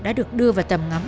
đã được đưa vào tầm ngắm